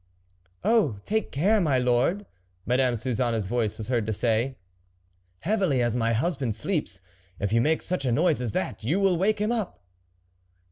" Oh ! take care, my lord," Madame Suzanne's voice was heard to say, "heav ily as my husband sleeps, if you make such a noise as that, you will wake him up."